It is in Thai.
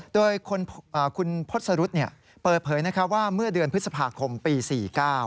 โดยคุณพศรุษฐ์เนี่ยเปิดเผยนะคะว่าเมื่อเดือนพฤษภาคมปี๔๙